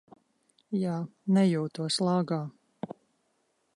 Jā, nejūtos lāgā.